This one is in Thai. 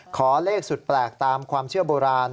ขอเลขสุดแปลกตามความเชื่อโบราณ